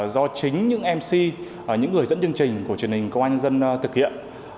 do chính những mc những người dẫn chương trình của truyền hình công an nhân dân thực hiện